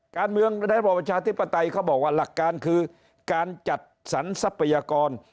ในระบอบประชาธิปไตยเขาบอกว่าหลักการคือการจัดสรรทรัพยากร